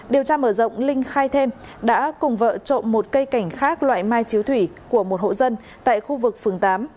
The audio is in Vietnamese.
điều tra mở rộng linh khai thêm đã cùng vợ trộm một cây cảnh khác loại mai chiếu thủy của một hộ dân tại khu vực phường tám